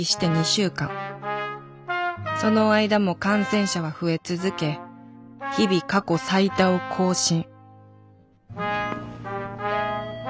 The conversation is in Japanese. その間も感染者は増え続け日々過去最多を更新